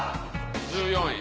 １４位。